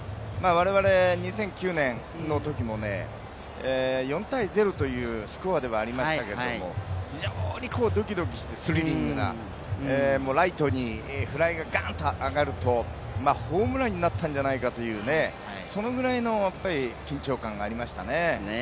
我々、２００９年のときも４−０というスコアではありましたけど非常にドキドキしてスリリングな、ライトにフライがガッと上がるとホームランになったんじゃないかという、そのぐらいの緊張感がありましたね。